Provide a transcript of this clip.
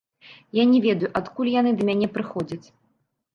Я не ведаю, адкуль яны да мяне прыходзяць.